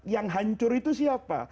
yang hancur itu siapa